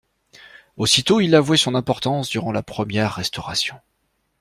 Aussitôt il avouait son importance durant la première Restauration.